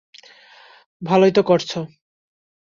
ভালোই তো করছে।